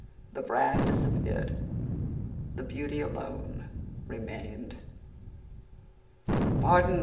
The brand disappeared; the beauty alone remained. "Pardon!